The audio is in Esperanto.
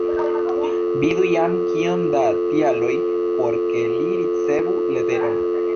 Vidu jam kiom da tialoj por ke li ricevu leteron.